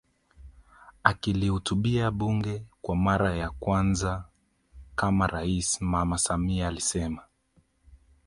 Akilihutubia bunge kwa mara kwanza kama rais Mama Samia alisema